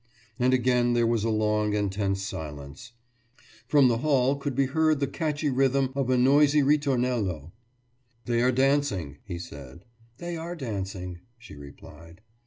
And again there was a long and tense silence. From the hall could be heard the catchy rhythm of a noisy ritornello. »They are dancing,« he said. »They are dancing,« she replied.